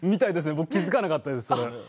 僕、気付かなかったです。